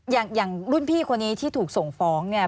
อย่างรุ่นพี่คนนี้ที่ถูกส่งฟ้องเนี่ย